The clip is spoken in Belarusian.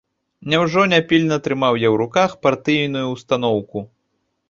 Няўжо няпільна трымаў я ў руках партыйную ўстаноўку?